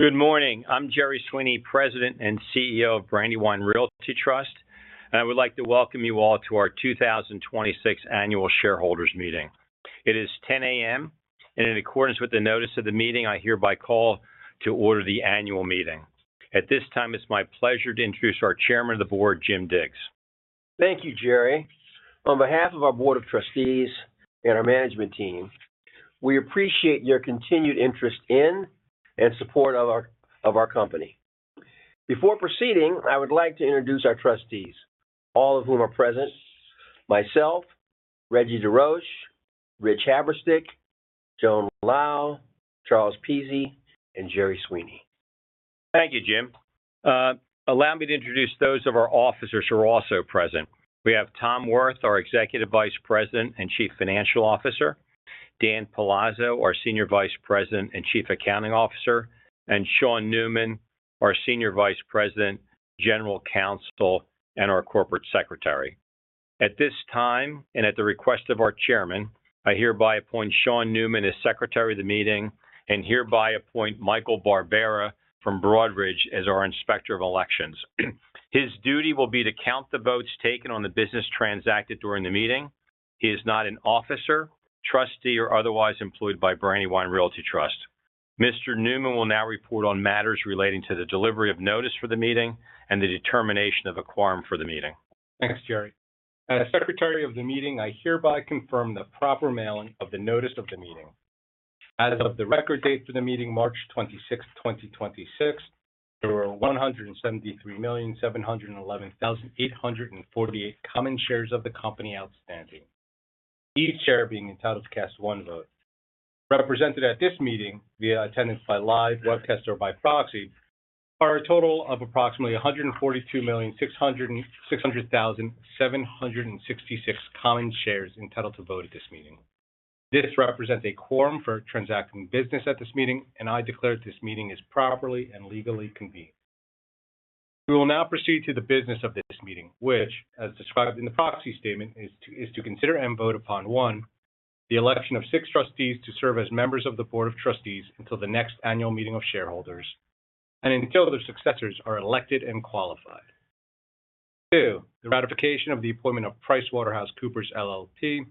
Good morning. I'm Jerry Sweeney, President and CEO of Brandywine Realty Trust, and I would like to welcome you all to our 2026 annual shareholders meeting. It is 10:00 A.M., and in accordance with the notice of the meeting, I hereby call to order the annual meeting. At this time, it's my pleasure to introduce our Chairman of the Board, Jim Diggs. Thank you, Jerry. On behalf of our board of trustees and our management team, we appreciate your continued interest in and support of our company. Before proceeding, I would like to introduce our trustees, all of whom are present. Myself, Reggie DesRoches, Rich Haverstick, Joan Lau, Charles Pizzi, and Jerry Sweeney. Thank you, Jim. Allow me to introduce those of our officers who are also present. We have Tom Wirth, our Executive Vice President and Chief Financial Officer, Dan Palazzo, our Senior Vice President and Chief Accounting Officer, and Shawn Neuman, our Senior Vice President, General Counsel, and our Corporate Secretary. At this time, and at the request of our Chairman, I hereby appoint Shawn Neuman as Secretary of the meeting, and hereby appoint Michael Barbera from Broadridge as our Inspector of Elections. His duty will be to count the votes taken on the business transacted during the meeting. He is not an officer, trustee, or otherwise employed by Brandywine Realty Trust. Mr. Neuman will now report on matters relating to the delivery of notice for the meeting and the determination of a quorum for the meeting. Thanks, Jerry. As Secretary of the meeting, I hereby confirm the proper mailing of the notice of the meeting. As of the record date for the meeting, March 26th, 2026, there were 173,711,848 common shares of the company outstanding, each share being entitled to cast one vote. Represented at this meeting via attendance by live webcast or by proxy are a total of approximately 142,600,766 common shares entitled to vote at this meeting. This represents a quorum for transacting business at this meeting, and I declare this meeting is properly and legally convened. We will now proceed to the business of this meeting, which, as described in the proxy statement, is to consider and vote upon, one, the election of six trustees to serve as members of the board of trustees until the next annual meeting of shareholders, and until their successors are elected and qualified. Two, the ratification of the appointment of PricewaterhouseCoopers, LLP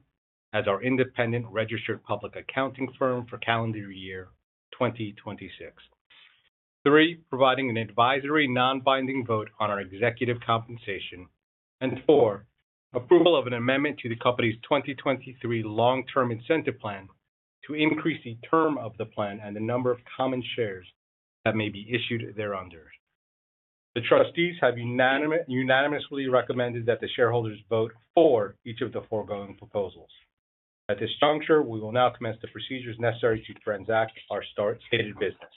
as our independent registered public accounting firm for calendar year 2026. Three, providing an advisory non-binding vote on our executive compensation. Four, approval of an amendment to the company's 2023 Long-Term Incentive Plan to increase the term of the plan and the number of common shares that may be issued thereunder. The trustees have unanimously recommended that the shareholders vote for each of the foregoing proposals. At this juncture, we will now commence the procedures necessary to transact our stated business.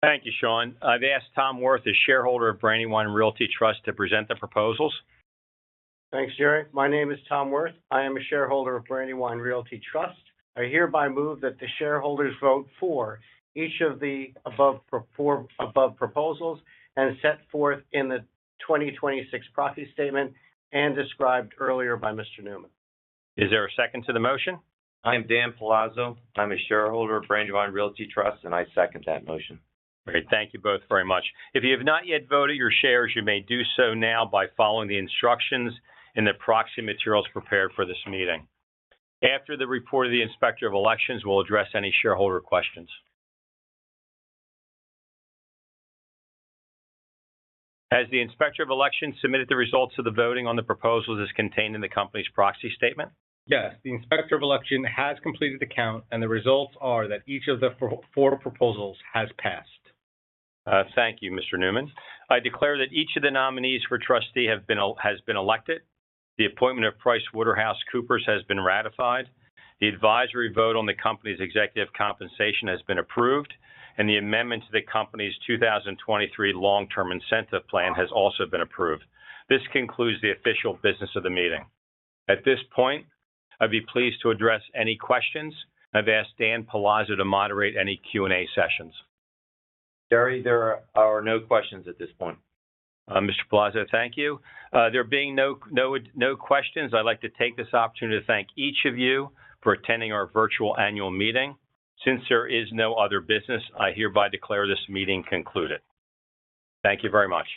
Thank you, Shawn. I've asked Tom Wirth, a shareholder of Brandywine Realty Trust, to present the proposals. Thanks, Jerry. My name is Tom Wirth. I am a shareholder of Brandywine Realty Trust. I hereby move that the shareholders vote for each of the above proposals and as set forth in the 2026 proxy statement and described earlier by Mr. Neuman. Is there a second to the motion? I am Daniel Palazzo. I'm a shareholder of Brandywine Realty Trust. I second that motion. Great. Thank you both very much. If you have not yet voted your shares, you may do so now by following the instructions in the proxy materials prepared for this meeting. After the report of the Inspector of Elections, we'll address any shareholder questions. Has the Inspector of Elections submitted the results of the voting on the proposals as contained in the company's proxy statement? Yes, the Inspector of Elections has completed the count, and the results are that each of the four proposals has passed. Thank you, Mr. Neuman. I declare that each of the nominees for trustee has been elected, the appointment of PricewaterhouseCoopers has been ratified, the advisory vote on the company's executive compensation has been approved, and the amendment to the company's 2023 long-term incentive plan has also been approved. This concludes the official business of the meeting. At this point, I'd be pleased to address any questions. I've asked Dan Palazzo to moderate any Q&A sessions. Jerry, there are no questions at this point. Mr. Palazzo, thank you. There being no questions, I'd like to take this opportunity to thank each of you for attending our virtual annual meeting. Since there is no other business, I hereby declare this meeting concluded. Thank you very much.